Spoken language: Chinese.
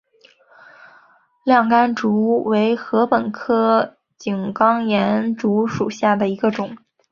亮竿竹为禾本科井冈寒竹属下的一个种。